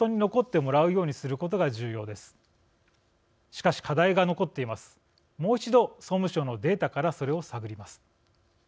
もう一度、総務省のデータからそれを探ります。